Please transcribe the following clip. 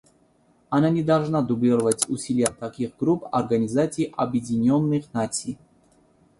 Она не должна дублировать усилия таких групп Организации Объединенных Наций.